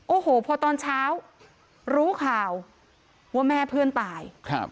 โอ้โหพอตอนเช้ารู้ข่าวว่าแม่เพื่อนตาย